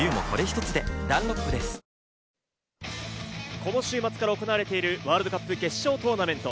この週末から行われているワールドカップ決勝トーナメント。